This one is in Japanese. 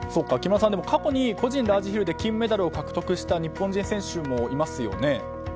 木村さん過去に個人ラージヒルで金メダルを獲得した日本人選手もいますよね。